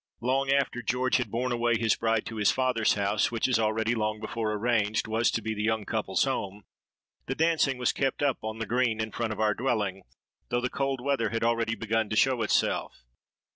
Long after George had borne away his bride to his father's house, which, as already long before arranged, was to be the young couple's home, the dancing was kept up on the green in front of our dwelling, though the cold weather had already begun to show itself.